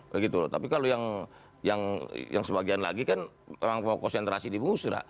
begitu loh tapi kalau yang sebagian lagi kan memang konsentrasi di musra